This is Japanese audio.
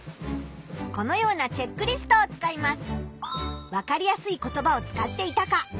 このようなチェックリストを使います。